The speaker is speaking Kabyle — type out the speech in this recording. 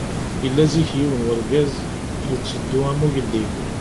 Yella zik yiwen n urgaz, yetteddu am ugellid.